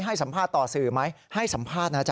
ให้สัมภาษณ์ต่อสื่อไหมให้สัมภาษณ์นะจ๊